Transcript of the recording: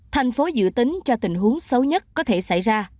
thành phố dự tính cho tình huống xấu nhất có thể xảy ra